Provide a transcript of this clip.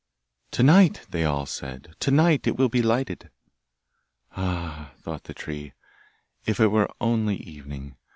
'To night,' they all said, 'to night it will be lighted!' 'Ah!' thought the tree, 'if it were only evening!